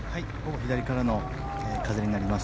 左からの風になります。